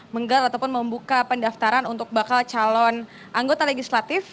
menggalat ataupun membuka pendaftaran untuk bakal calon anggota legislatif